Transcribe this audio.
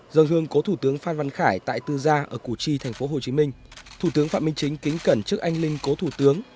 dân hương cố thủ tướng phan văn khải tại tư gia ở củ chi tp hcm thủ tướng phạm minh chính kính cẩn trước anh linh cố thủ tướng